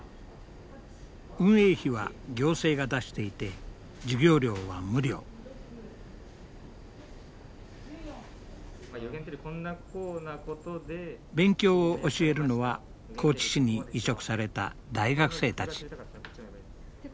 運営費は行政が出していて勉強を教えるのは高知市に委嘱された大学生たち。